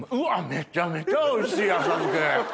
めちゃめちゃおいしい浅漬け！